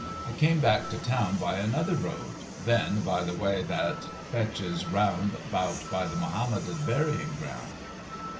I came back to town by another road—then by the waye that fetches around by the Mahomedan burying ground.